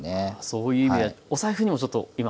そういう意味でお財布にもちょっと今。